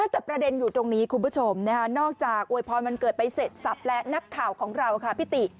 แต่ประเด็นอยู่ตรงนี้คุณผู้ชมนอกจากอวยพรวันเกิดไปเสร็จสับและนักข่าวของเราค่ะพี่ติ